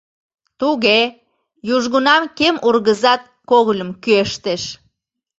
Туге, южгунам кем ургызат когыльым кӱэштеш.